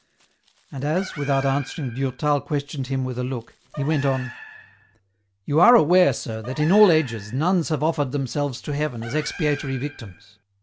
And as, without answering, Durtal questioned him with a look, he went on, —" You are aware, sir, that in all ages, nuns have offered themselves to heaven as expiatory victims.